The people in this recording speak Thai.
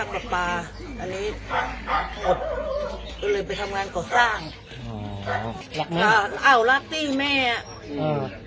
ก็เลยไปทำงานก่อสร้างอ๋อลักนี้อ้าวลักตี้แม่อืม